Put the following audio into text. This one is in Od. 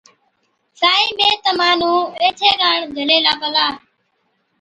سائِين مين تمهان نُون ايڇي ڪاڻ جھلي هِلا پلان